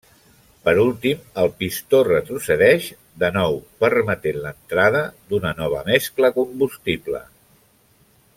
Per últim el pistó retrocedeix de nou permetent l'entrada d'una nova mescla combustible.